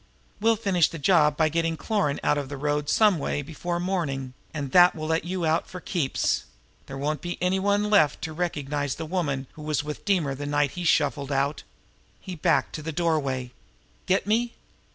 We'll finish the job after that by getting Cloran out of the road some way before morning, and that will let you out for keeps there won't be any one left to recognize the woman who was with Deemer the night he shuffled out." He backed to the doorway. "Get me?